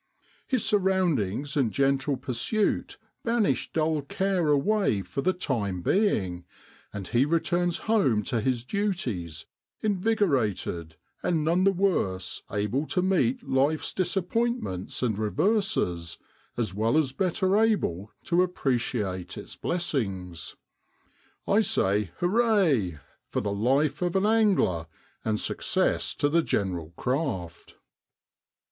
His surroundings and gentle pursuit banish dull care away for the time being, and he returns home to his duties invig orated and none the worse able to meet life's disappointments and reverses, as well as better able to appreciate its blessings. I say Hooray! for the life of an angler, and success to the general craft